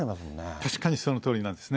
確かにそのとおりなんですね。